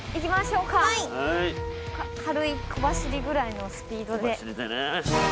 軽い小走りくらいのスピードで。